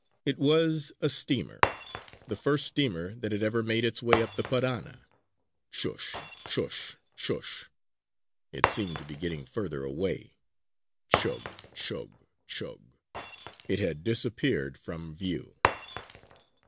It was a steamer, the first steamer that had ever made its way up the Parana. Chush! Chush! Chush! It seemed to be getting further away again. Chug! Chug! Chug! It had disappeared from view.